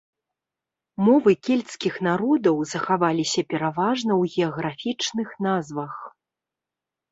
Мовы кельцкіх народаў захаваліся пераважна ў геаграфічных назвах.